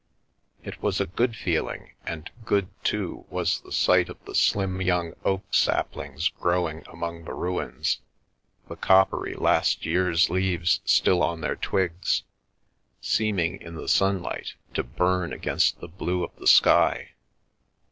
It was a good feeling, and good, too, was the sight of the slim young oak sap lings growing among the ruins, the coppery last year's leaves still on their twigs, seeming, in the sunlight, to burn against the blue of the sky.